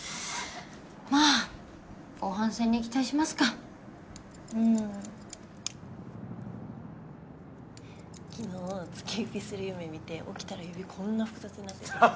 まぁ後半戦に期待しますかうん昨日突き指する夢見て起きたら指こんな複雑になっててアハハ